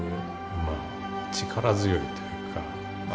まあ力強いというか